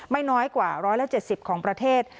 ไม่น้อยกว่า๑๗๐ของประเทศ